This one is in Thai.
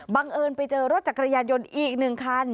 เอิญไปเจอรถจักรยานยนต์อีก๑คัน